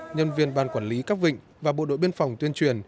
nhân viên ban quản lý các vịnh và bộ đội biên phòng tuyên truyền